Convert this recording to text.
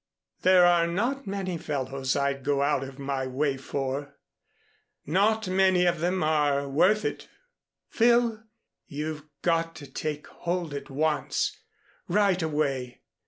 There are not many fellows I'd go out of my way for, not many of them are worth it. Phil, you've got to take hold at once right away.